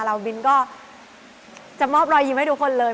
บินก็จะมอบรอยยิ้มให้ทุกคนเลย